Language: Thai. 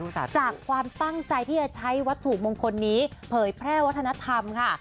จากความตั้งใจที่จะใช้วัตถุมงคลนี้เผยแพร่วัฒนธรรมค่ะ